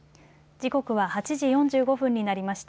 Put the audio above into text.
時刻は８時４５分になりました。